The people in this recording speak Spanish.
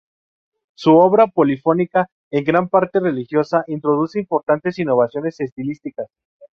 Su obra polifónica, en gran parte religiosa, introduce importantes innovaciones estilísticas.